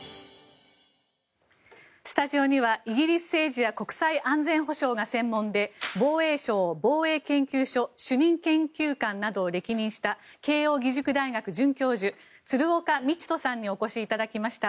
スタジオにはイギリス政治や国際安全保障が専門で防衛省防衛研究所主任研究官などを歴任した慶應義塾大学准教授鶴岡路人さんにお越しいただきました。